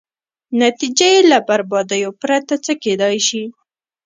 نتېجه یې له بربادیو پرته څه کېدای شي.